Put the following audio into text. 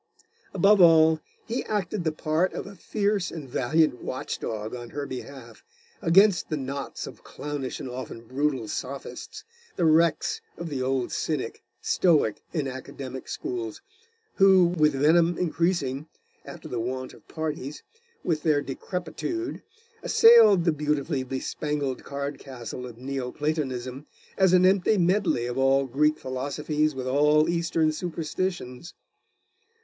Above all he acted the part of a fierce and valiant watch dog on her behalf, against the knots of clownish and often brutal sophists, the wrecks of the old Cynic, Stoic, and Academic schools, who, with venom increasing, after the wont of parties, with their decrepitude, assailed the beautifully bespangled card castle of Neo Platonism, as an empty medley of all Greek philosophies with all Eastern superstitions.